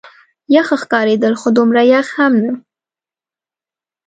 یخ ښکارېدل، خو دومره یخ هم نه.